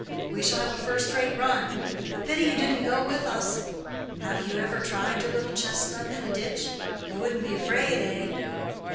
"We shall have a first rate run. A pity you didn't go with us. Have you ever tried your little chestnut at a ditch? you wouldn't be afraid, eh?"